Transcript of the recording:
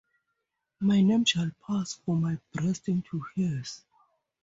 My name shall pass from my breast into hers.